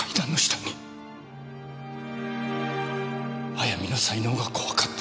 早見の才能が怖かった。